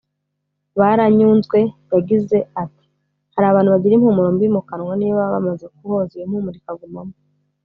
Baranyunzwe yagize ati “Hari abantu bagira impumuro mbi mu kanwa niyo baba bamaze kuhoza iyo mpumuro ikagumamo